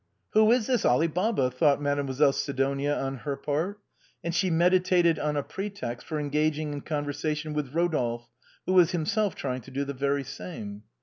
" Who is this Ali Baba? " thought Mademoiselle Sidonia on her part. And she meditated on a pretext for engaging in conversation with Rodolphe, who was himself trying to do the very same.